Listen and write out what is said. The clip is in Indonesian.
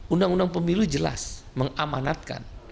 undang undang pemilu jelas mengamanatkan